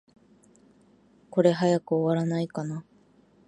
これ、早く終わらないかな。